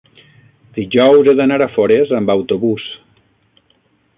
dijous he d'anar a Forès amb autobús.